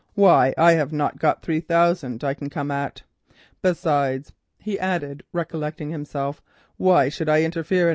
Why, I have not got three thousand that I can come at. Besides," he added, recollecting himself, "why should I interfere?"